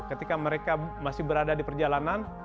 ketika mereka masih berada di perjalanan